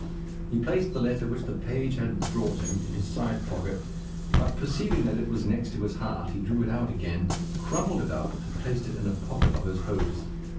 He placed the letter which the page had brought him in his side pocket; but perceiving that it was next his heart, he drew it out again, crumpled it up, and placed it in a pocket of his hose.